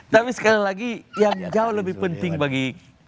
tapi sekali lagi yang jauh lebih penting bagi